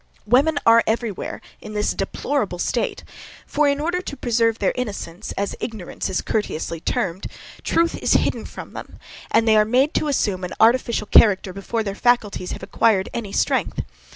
Women are every where in this deplorable state; for, in order to preserve their innocence, as ignorance is courteously termed, truth is hidden from them, and they are made to assume an artificial character before their faculties have acquired any strength.